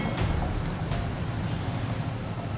makasih ya sayang